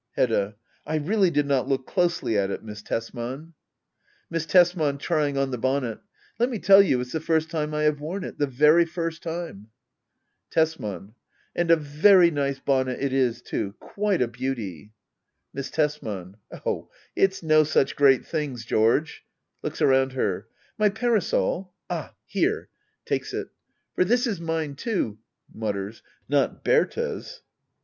Hedda. I really did not look closely at it. Miss Tesman. Digitized by Google ACT I.] HEDDA OABLER. S5 Miss Tesman. [Trying on the bonnet,] Let me tell you it's the first time I have worn it — ^the very first time. Tesman. And a very nice bonnet it is too — quite a beauty ! Miss Tesman. Oh^ it's no such great things, George. [Looks around her.] My parasol ? Ah, here. [Take* it.] For this is mine too — [mutters] — not Berta's.